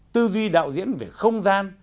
tư duy đạo diễn về không gian